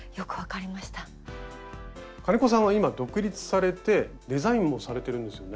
金子さんは今独立されてデザインもされてるんですよね？